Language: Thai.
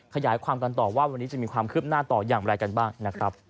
ขยายความกันต่อว่าวันนี้จะมีความคืบหน้าต่ออย่างไรกันบ้างนะครับ